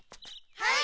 はい。